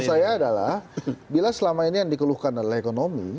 menurut saya adalah bila selama ini yang dikeluhkan adalah ekonomi